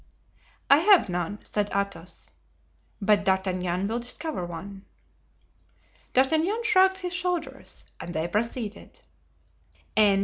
"I have none," said Athos; "but D'Artagnan will discover one." D'Artagnan shrugged his shoulders and they proceeded.